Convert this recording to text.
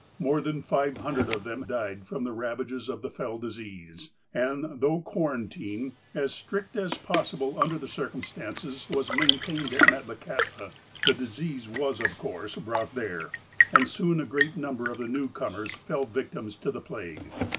More than five hundred of them died from the ravages of the fell disease, and, though quarantine, as strict as possible under the circumstances, was maintained at Metlakahtla, the disease was of course brought there, and soon a great number of the newcomers fell victims to the plague.